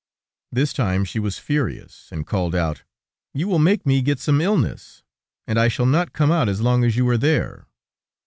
This time she was furious, and called out: "You will make me get some illness, and I shall not come out as long as you are there."